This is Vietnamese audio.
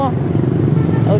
ở trên đó mua